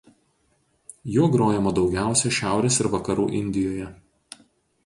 Juo grojama daugiausia šiaurės ir vakarų Indijoje.